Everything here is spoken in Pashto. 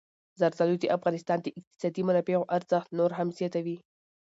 زردالو د افغانستان د اقتصادي منابعو ارزښت نور هم زیاتوي.